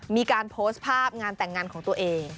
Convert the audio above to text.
มีการโพสต์ภาพงานแต่งงานของตัวเอง